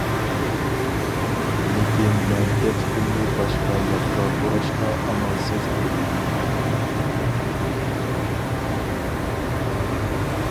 لېكىن مەن دىققىتىمنى باشقا ياققا بۇراشقا ئامالسىز ئىدىم.